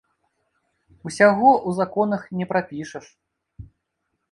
Усяго ў законах не прапішаш.